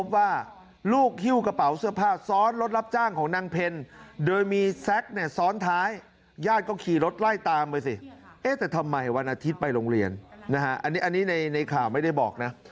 วันอาทิตย์ไปโรงเรียนนะฮะอันนี้ในข่าวไม่ได้บอกนะ